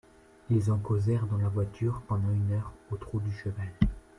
Ils en causèrent dans la voiture, pendant une heure, au trot du cheval.